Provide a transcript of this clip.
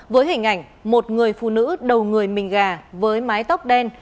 với hình ảnh một người phụ nữ đầu người mình gà với mái tóc đen